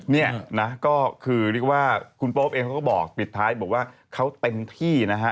เนี่ยนะก็คือเรียกว่าคุณโป๊ปเองเขาก็บอกปิดท้ายบอกว่าเขาเต็มที่นะฮะ